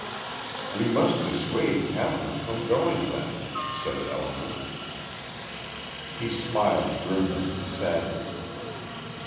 "We must dissuade Kathryn from going, then," said Elinor. He smiled, grimly, sadly.